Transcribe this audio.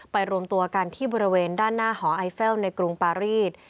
รวมตัวกันที่บริเวณด้านหน้าหอไอเฟลในกรุงปารีส